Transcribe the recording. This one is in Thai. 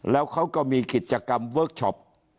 แล้วเขาก็มีกิจกรรมเวิร์คชอป